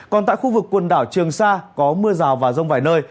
còn tại khu vực quần đảo trường sa có mưa rào và rông vài nơi